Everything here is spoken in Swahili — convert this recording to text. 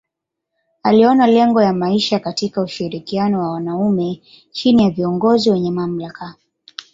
Aliona lengo ya maisha katika ushirikiano wa wanaume chini ya viongozi wenye mamlaka.